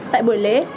tại buổi lễ